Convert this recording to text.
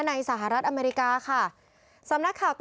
สหรัฐอเมริกาค่ะ